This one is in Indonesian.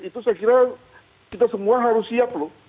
itu saya kira kita semua harus siap loh